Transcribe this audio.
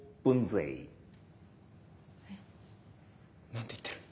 何て言ってる？